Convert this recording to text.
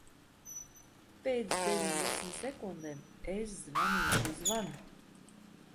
Pēc deviņdesmit sekundēm es zvanīšu zvanu.